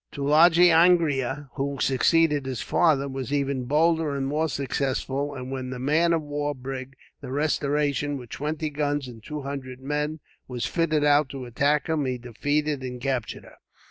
Tulagi Angria, who succeeded his father, was even bolder and more successful; and when the man of war brig, the Restoration, with twenty guns and two hundred men, was fitted out to attack him, he defeated and captured her.